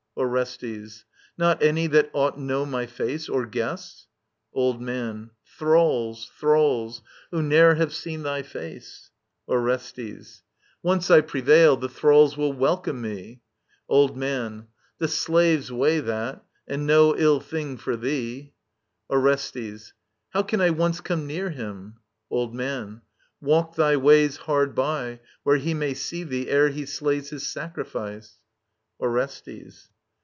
Orestes. Not any that might know my race. Or guess? Old Man. Thrallsy thralls ; who ne*er have seen thy face. Digitized by VjOOQIC ELECTRA 41 Orestes. Once I prevail, the thralls will welcome me ! Old Man. The slaves' way, that ; and no ill thing for thee ! Orestes. How can I once come near him ? Old Man. Walk thy ways Hard by, where he may see thee, ere he slays His sacrifice. Orestes.